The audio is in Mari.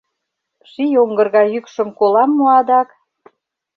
Ший оҥгыр гай йӱкшым Колам мо адак?